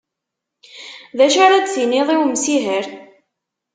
D acu ara d tiniḍ i umsiher?